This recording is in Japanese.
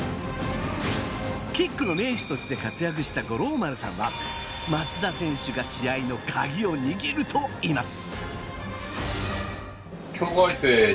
キックの名手として活躍した五郎丸さんは、松田選手が試合の鍵を握ると言います。